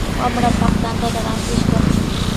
Wamraapaq tantata rantishqaa.